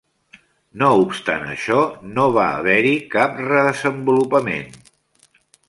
No obstant això, no va haver-hi cap re-desenvolupament.